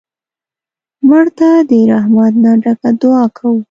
مړه ته د رحمت نه ډکه دعا کوو